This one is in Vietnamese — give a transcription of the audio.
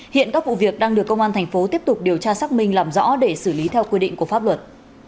hiện các vụ việc đang được công an thành phố tiếp tục điều tra xác minh làm rõ để xử lý theo quy định của pháp luật